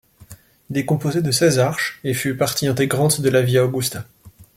Il est composé de seize arches et fut partie intégrante de la Via Augusta.